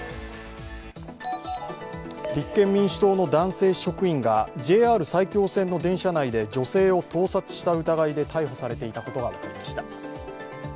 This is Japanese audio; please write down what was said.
立憲民主党の男性職員がＪＲ埼京線の電車内で女性を盗撮した疑いで逮捕されていたことが分かりました。